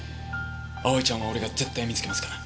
蒼ちゃんは俺が絶対見つけますから。